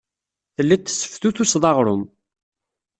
Telliḍ tesseftutuseḍ aɣrum.